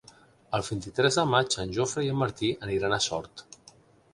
El vint-i-tres de maig en Jofre i en Martí aniran a Sort.